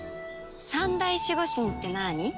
三大守護神って何？